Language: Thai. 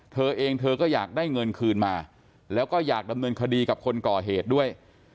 เธอเองเธอก็อยากได้เงินคืนมาแล้วก็อยากดำเนินคดีกับคนก่อเหตุด้วย